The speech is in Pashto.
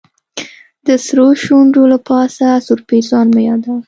د سرو شونډو له پاسه سور پېزوان مه يادوه